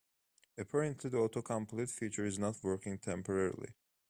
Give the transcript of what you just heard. Apparently, the autocomplete feature is not working temporarily.